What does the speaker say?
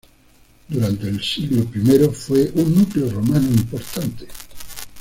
Durante el siglo I fue un núcleo romano importante.